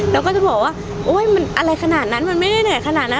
แล้วก็จะบอกว่าโอ๊ยมันอะไรขนาดนั้นมันไม่ได้เหนื่อยขนาดนั้น